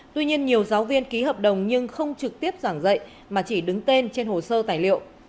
tuy nhiên nhiều giáo viên ký hợp đồng nhưng không trực tiếp giảng dạy mà chỉ đứng tên trên hồ sơ tài liệu